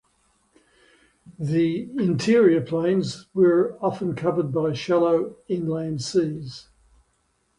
The Interior Plains were often covered by shallow inland seas.